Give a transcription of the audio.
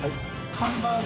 ハンバーグ。